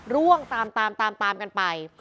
ล่วงตามกันไป